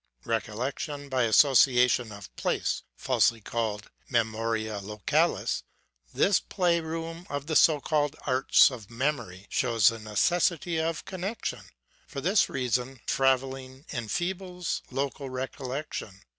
Recollection by association of place, ŌĆö falsely called memoria localis, ŌĆö this play room of the so called arts of memory, ŌĆö shows the necessity of connection. For this reason travelling enfeebles local recollection.